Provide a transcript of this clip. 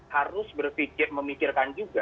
harus berpikir memikirkan juga